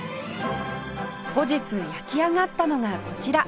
後日焼き上がったのがこちら